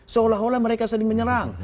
seolah olah mereka saling menyerang